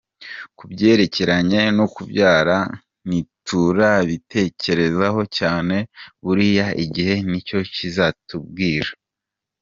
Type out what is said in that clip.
Ku byerekeranye no kubyara, ntiturabitekerezaho cyane buriya igihe nicyo kizabitubwira”.